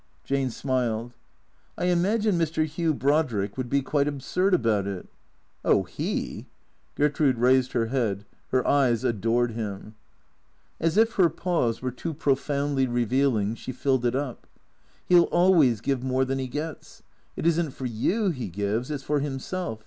Jane smiled. " I imagine Mr. Hugh Brodrick would be quite absurd about it." "Oh, lie " Gertrude raised her head. Her eyes adored him. As if her pause were too profoundly revealing, she filled it up. " He '11 always give more than he gets. It is n't for you he gives, it 's for himself.